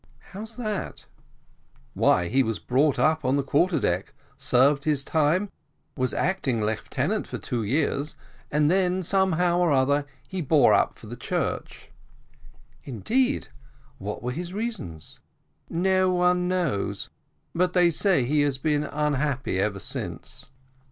"How's that?" "Why, he was brought up on the quarter deck, served his time, was acting lieutenant for two years, and then, somehow or other, he bore up for the church." "Indeed what were his reasons?" "No one knows but they say he has been unhappy ever since."